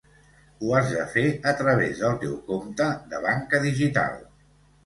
Ho has de fer a través del teu compte de banca digital.